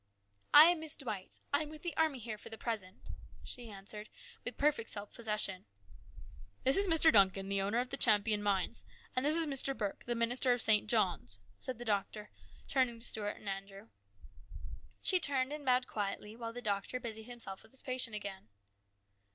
" I am Miss Dwight. I am with the army here for the present," she answered with perfect self possession. " This is Mr Duncan, the owner of the Champion mines ; and this is Mr. Burke, the minister of St. John's," said the doctor, turning to Stuart and Andrew. She turned and bowed quietly while the doctor busied himself with his patient again.